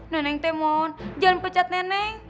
neneng temon jangan pecat nenek